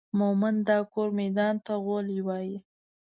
مومند دا کور ميدان ته غولي وايي